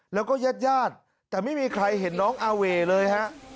แล้วก็ญาติญาติแต่ไม่มีใครเห็นน้องอาเว่เลยฮะ